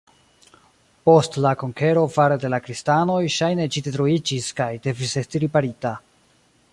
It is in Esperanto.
Post la konkero fare de la kristanoj ŝajne ĝi detruiĝis kaj devis esti riparita.